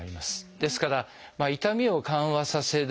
ですから痛みを緩和させる。